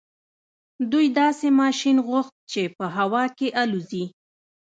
دوی داسې ماشين غوښت چې په هوا کې الوځي.